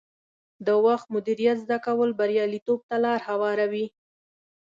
د وخت مدیریت زده کول بریالیتوب ته لار هواروي.